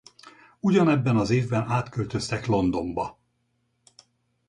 Ugyanebben az évben átköltöztek Londonba.